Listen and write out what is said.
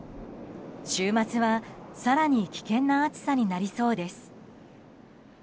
週末は更に危険な暑さになりそうです。